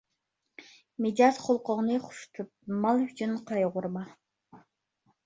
مىجەز خۇلقۇڭنى خوش تۇت، مال ئۈچۈن قايغۇرما.